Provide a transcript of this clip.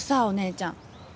お姉ちゃん。